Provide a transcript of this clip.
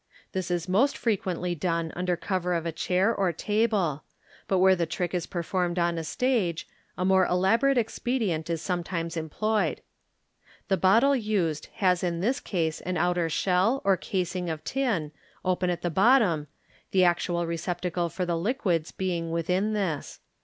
This is most frequently done under cover of a chair or table : but where the trick is performed on the stage, a more elaborate expedient is sometimes employed. The bottle used has in this case an outer shell or casing of tin, open at the bottom, the actual recep= tacle for the liquids being within this.